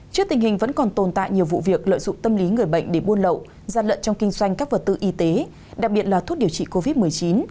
trước tình hình vẫn còn tồn tại nhiều vụ việc lợi dụng tâm lý người bệnh để buôn lậu gian lận trong kinh doanh các vật tư y tế đặc biệt là thuốc điều trị covid một mươi chín